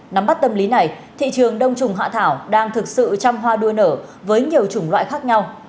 nắm bắt tâm lý này thị trường đông trùng hạ thảo đang thực sự trăm hoa đua nở với nhiều chủng loại khác nhau